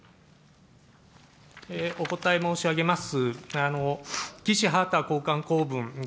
お答え申し上げます。